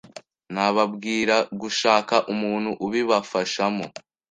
Nababwira gushaka umuntu ubibafashamo.